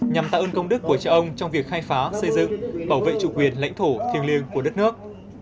nhằm tạ ơn công đức của cha ông trong việc khai phá xây dựng bảo vệ chủ quyền lãnh thổ thiêng liêng của đất nước